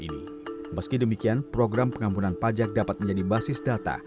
meski demikian program pengampunan pajak dapat menjadi basis data